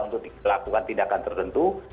untuk dilakukan tindakan tertentu